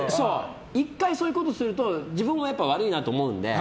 １回、そういうことをすると自分も悪いなと思うので。